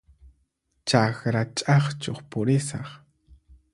Chakra ch'aqchuq purisaq.